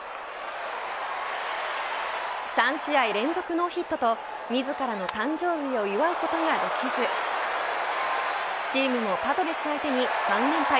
３試合連続ノーヒットと自らの誕生日を祝うことができずチームもパドレス相手に３連敗。